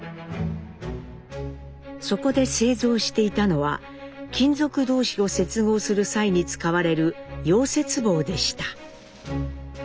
そこで製造していたのは金属同士を接合する際に使われる溶接棒でした。